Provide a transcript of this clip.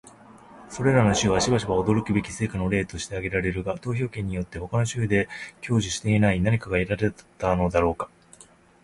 それらの州はしばしば驚くべき成果の例として挙げられるが、投票権によって他の州で享受していない何かが得られたのだろうか？